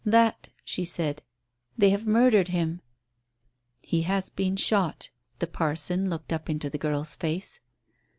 "That," she said. "They have murdered him." "He has been shot." The parson looked up into the girl's face.